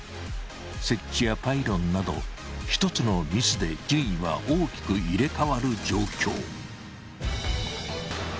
接地やパイロンなど１つのミスで順位は大きく入れ替わる状況。